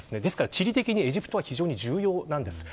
地理的にエジプトは非常に重要です。